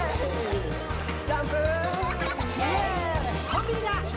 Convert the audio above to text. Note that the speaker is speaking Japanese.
「コンビニだ！